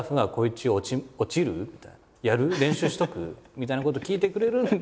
みたいなことを聞いてくれるんだけど。